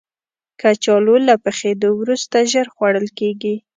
کچالو له پخېدو وروسته ژر خوړل کېږي